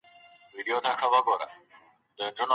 دولت اوس عوايد کم احساسوي.